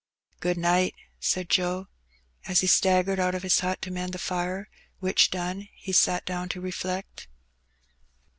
"Good night," said Joe, as he staggered out of his hut to mend the fire, which done, he sat down to reflect.